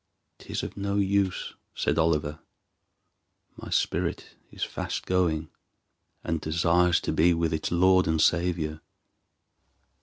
"'Tis of no use," said Oliver, "my spirit is fast going and desires to be with its Lord and Saviour."